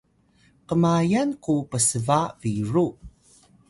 kmayan ku psba biru